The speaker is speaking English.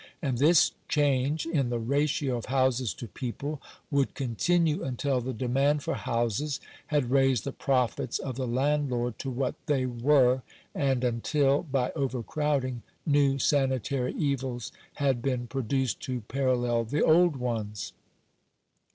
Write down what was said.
And this change in the ratio of houses to people would continue until the demand for houses had raised the profits of the landlord to what they were, and until, by overcrowding, new sanitary evils had been pro duced to parallel the old ones*.